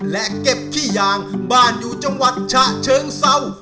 และเก็บขี้ยางบ้านอยู่จังหวัดฉะเชิงเศร้า